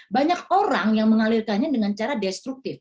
banyak orang yang mengalirkannya dengan cara destruktif